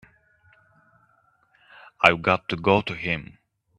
I've got to go to him.